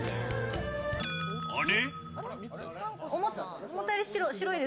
あれ？